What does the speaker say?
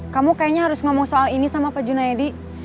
kamu kayaknya harus ngomong soal ini sama pak junaidi